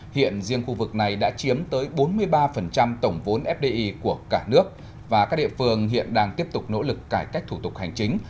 hiện riêng khu vực này đã chiếm tới bốn mươi ba tổng vốn fdi của cả nước và các địa phương hiện đang tiếp tục nỗ lực cải cách thủ tục hành chính